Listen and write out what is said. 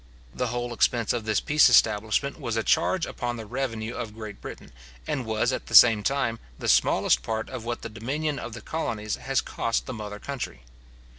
The whole expense of this peace establishment was a charge upon the revenue of Great Britain, and was, at the same time, the smallest part of what the dominion of the colonies has cost the mother country.